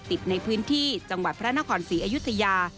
ใจยาเสพติดในพื้นที่จังหวัดพระนคนสีอายุตยา